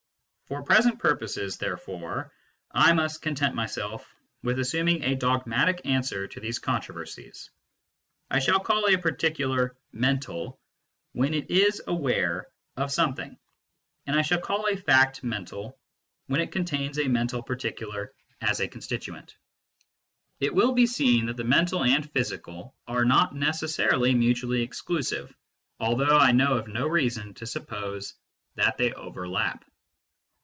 For present purposes therefore I must content myself with assuming a dogmatic answer to these controversies. 1 shall call a particular " mental " when it is aware of something, and I shall call a fact " mental " when it contains a mental particular as a constituent. SENSE DATA AND PHYSICS 151 It will be seen that the mental and the physical are not necessarily mutually exclusive, although I know of no reason to suppose that they overlap.